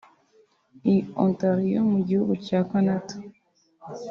I Ontario mu gihugu cya Canada